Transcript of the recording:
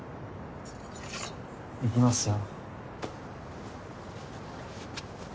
行きますよ。